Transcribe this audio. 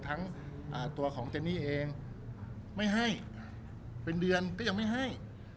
ทั้งตัวของเจนี่เองไม่ให้เป็นเดือนก็ยังไม่ให้